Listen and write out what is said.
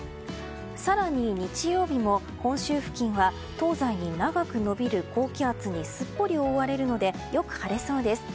更に日曜日も本州付近は東西に長く延びる高気圧にすっぽり覆われるのでよく晴れそうです。